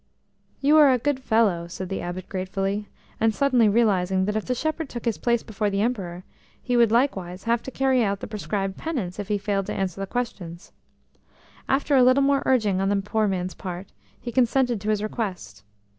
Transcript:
"You are a good fellow," said the Abbot gratefully, suddenly realising that if the shepherd took his place before the Emperor, he would likewise have to carry out the prescribed penance if he failed to answer the questions. After a little more urging on the poor man's part, he consented to his request.